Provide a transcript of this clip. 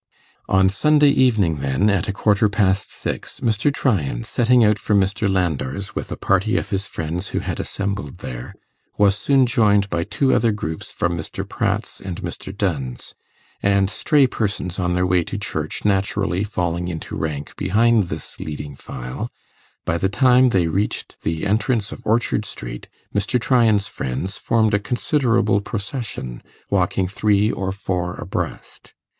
On Sunday evening, then, at a quarter past six, Mr. Tryan, setting out from Mr. Landor's with a party of his friends who had assembled there, was soon joined by two other groups from Mr. Pratt's and Mr. Dunn's; and stray persons on their way to church naturally falling into rank behind this leading file, by the time they reached the entrance of Orchard Street, Mr. Tryan's friends formed a considerable procession, walking three or four abreast.